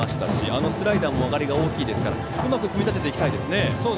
あのスライダーも曲がりが大きいですからうまく組み立てていきたいですね。